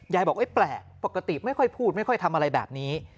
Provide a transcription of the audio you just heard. ยายบอกแปลกปกติไม่ค่อยพูดไม่ค่อยทำอะไรแบบนี้